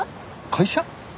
会社？